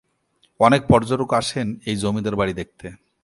অনেক পর্যটক আসেন এই জমিদার বাড়ি দেখতে।